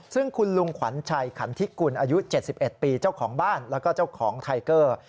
ซึ่งคุณลุงขวัญชัยขันทิกุลอายุ๗๑ปีเจ้าของบ้านแล้วก็เจ้าของไทเกอร์